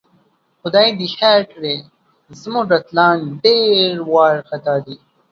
خدای دې خیر کړي، زموږ اتلان ډېر وارخطاء دي